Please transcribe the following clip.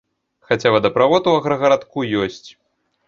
Хаця вадаправод у аграгарадку ёсць.